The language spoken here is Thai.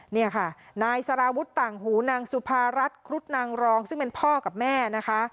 นี่ค่ะนายสารวุฒิต่างหูนางสุภารัฐครุฑนางรองซึ่งเป็นพ่อกับแม่นะคะ